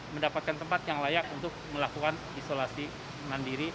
mendapatkan tempat yang layak untuk melakukan isolasi mandiri